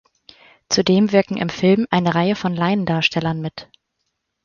Zudem wirken im Film eine Reihe von Laiendarstellern mit.